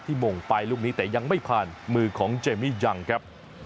หม่งไปลูกนี้แต่ยังไม่ผ่านมือของเจมมี่ยังครับ